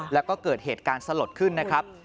แล้วก็เกิดเหตุการณ์สลดขึ้นนะครับ